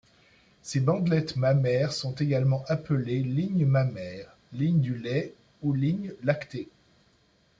Ces bandelettes mammaires sont également appelées lignes mammaires, lignes du lait ou lignes lactées.